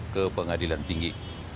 ke pengadilan tinggi